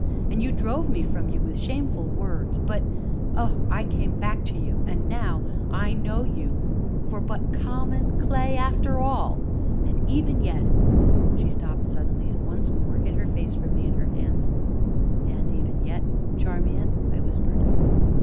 And you drove me from you with shameful words but oh! I came back to you. And now I know you for but common clay, after all, and even yet " She stopped, suddenly, and once more hid her face from me in her hands. "And even yet, Charmian?" I whispered.